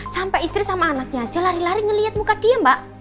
sampai istri sama anaknya aja lari lari ngelihat muka dia mbak